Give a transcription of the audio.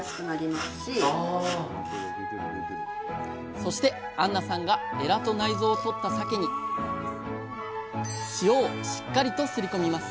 そして杏奈さんがエラと内臓を取ったさけに塩をしっかりとすり込みます